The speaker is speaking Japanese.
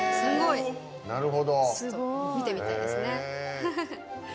見てみたいですね。